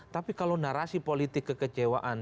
tapi kalau narasi politik kekecewaan